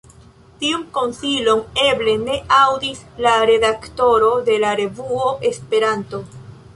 Tiun konsilon eble ne aŭdis la redaktoro de la revuo Esperanto.